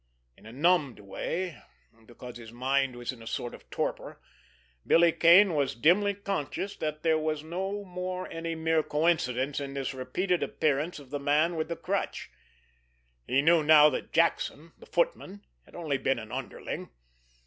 In a numbed way, because his mind was in a sort of torpor, Billy Kane was dimly conscious that there was no more any mere coincidence in this repeated appearance of the Man with the Crutch. He knew now that Jackson, the footman, had only been an underling.